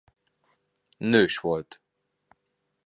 Nős volt.